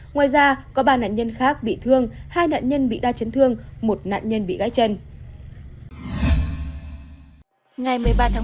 ngoài ra có ba nạn nhân khác bị thương hai nạn nhân bị đa chấn thương một nạn nhân bị gãy chân